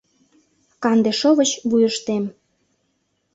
Канде шовыч — вуйыштем